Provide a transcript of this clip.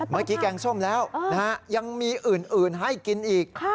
เมื่อกี้แกงส้มแล้วยังมีอื่นนอกไฟล์กินอีก